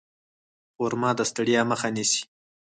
خرما د ستړیا مخه نیسي.